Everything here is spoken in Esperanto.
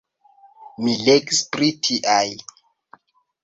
Mi legis pri tiaj.